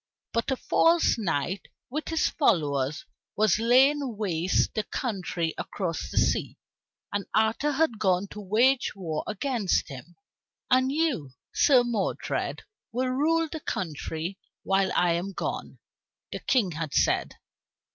But a false knight with his followers was laying waste the country across the sea, and Arthur had gone to wage war against him. "And you, Sir Modred, will rule the country while I am gone," the King had said.